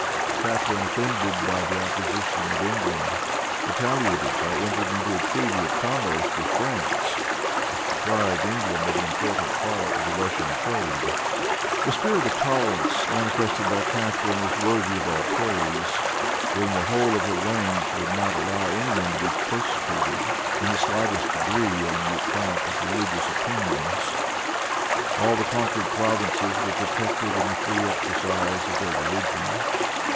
Catharine, offended by the opposition of England, retaliated by entering into a treaty of commerce with France, which deprived England of an important part of the Russian trade. The spirit of toleration manifested by Catharine is worthy of all praise. During the whole of her reign she would not allow any one to be persecuted, in the slightest degree, on account of religious opinions. All the conquered provinces were protected in the free exercise of their religion.